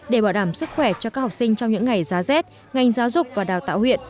để bảo đảm sức khỏe cho các học sinh trong những ngày giá rét ngành giáo dục và đào tạo huyện